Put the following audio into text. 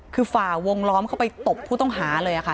คือฝ่าวงล้อมเข้าไปตบผู้ต้องหาเลยค่ะ